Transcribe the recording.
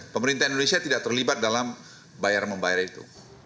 pemerintah indonesia tidak terlibat dalam bayar membayar itu